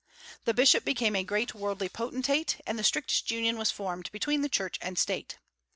The bishop became a great worldly potentate, and the strictest union was formed between the Church and State.